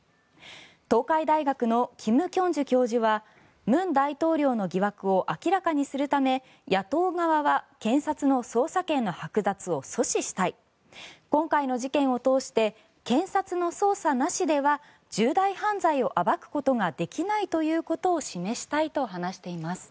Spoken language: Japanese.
東海大学の金慶珠教授は文大統領の疑惑を明らかにするため野党側は検察の捜査権のはく奪を阻止したい今回の事件を通して検察の捜査なしでは重大犯罪を暴くことができないということを示したいと話しています。